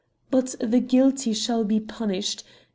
But the guilty shall be punished!